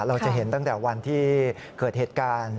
เราจะเห็นตั้งแต่วันที่เกิดเหตุการณ์